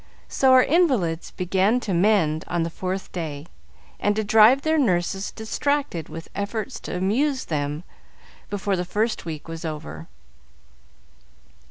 So our invalids began to mend on the fourth day, and to drive their nurses distracted with efforts to amuse them, before the first week was over.